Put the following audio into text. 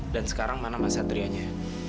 dan sekarang mana mas satrianya